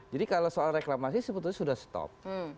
jadi kalau soal reklamasi sebetulnya sudah stop